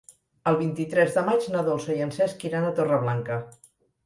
El vint-i-tres de maig na Dolça i en Cesc iran a Torreblanca.